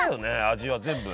味は全部。